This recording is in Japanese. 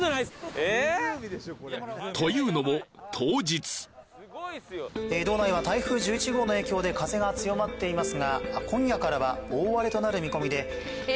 俺えっ？というのも当日え道内は台風１１号の影響で風が強まっていますが今夜からは大荒れとなる見込みでえ